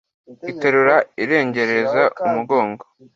Iterura irengereza imugongo